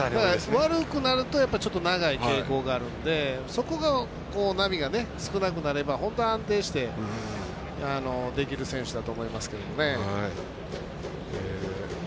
悪くなると、長い傾向があるんでそこが波が少なくなれば本当に安定してできる選手だと思いますけれどもね。